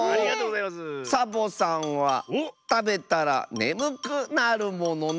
「サボさんはたべたらねむくなるものな」。